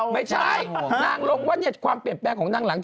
ไม่ใช่นางลงว่าความเปลี่ยนแปลงของนางหลังจาก